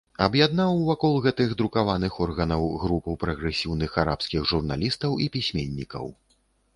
Аб'яднаў вакол гэтых друкаваных органаў групу прагрэсіўных арабскіх журналістаў і пісьменнікаў.